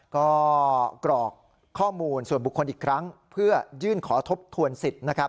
ก็กรอกข้อมูลส่วนบุคคลอีกครั้งเพื่อยื่นขอทบทวนสิทธิ์นะครับ